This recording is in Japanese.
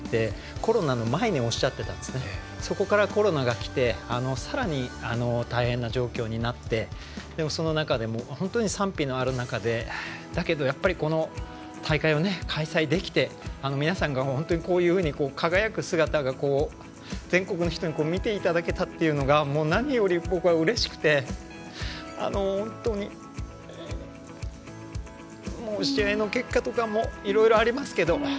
コロナの前におっしゃっててそこからコロナがきてさらに大変な状況になってその中でも本当に賛否のある中で、だけどこの大会を開催できて皆さんが、本当にこういうふうに輝く姿が全国の人に見ていただけたというのが何より僕はうれしくて、本当に試合の結果とかいろいろありますけど。